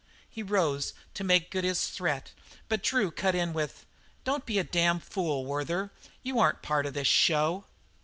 He rose to make good his threat, but Drew cut in with: "Don't be a damn fool, Werther. You aren't part of this show."